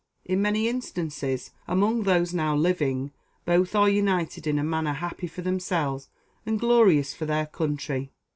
In many instances, among those now living, both are united in a manner happy for themselves and glorious for their country.